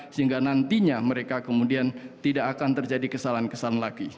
sehingga nantinya mereka kemudian tidak akan terjadi kesalahan kesalahan lagi